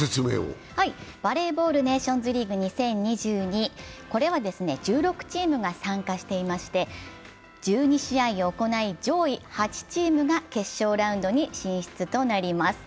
バレーボールネーションズリーグ２０２２、これは１６チームが参加指定して１２試合を行い、上位８チームが決勝ラウンドに進出となります。